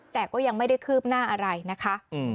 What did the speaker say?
แต่ก็ยังไม่ได้คืบหน้าอะไรนะคะ